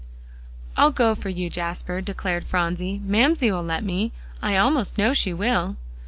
"I'll go for you, Jasper," declared Phronsie; "Mamsie will let me; I almost know she will."